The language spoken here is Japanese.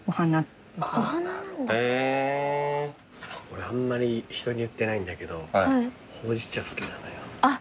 俺あんまり人に言ってないんだけどほうじ茶好きなのよ。